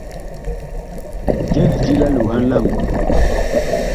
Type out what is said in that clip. Je lidi la loohan la ŋku.